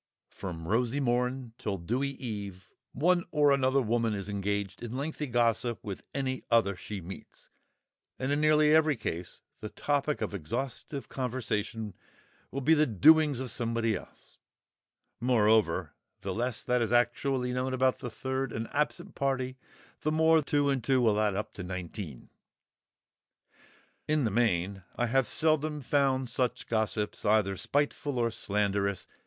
From rosy morn till dewy eve one or another woman is engaged in lengthy gossip with any other she meets, and in nearly every case the topic of exhaustive conversation will be the doings of somebody else; moreover, the less that is actually known about the third and absent party the more two and two will add up to nineteen. In the main, I have seldom found such gossips either spiteful or slanderous.